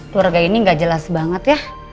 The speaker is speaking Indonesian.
keluarga ini gak jelas banget ya